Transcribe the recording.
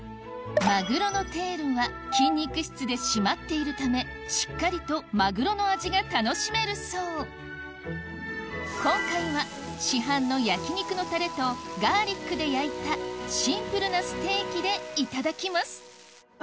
マグロのテールは筋肉質で締まっているためしっかりとマグロの味が楽しめるそう今回は市販の焼き肉のタレとガーリックで焼いたシンプルなステーキでいただきます